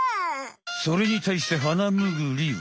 それにたいしてハナムグリは。